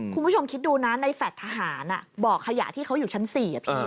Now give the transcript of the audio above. คุณผู้ชมคิดดูนะในแฟลต์ทหารบ่อขยะที่เขาอยู่ชั้น๔พี่